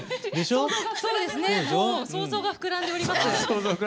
想像が膨らんでおります。